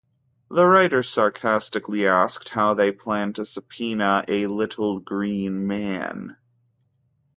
The writer sarcastically asked how they planned to subpoena "a little green man".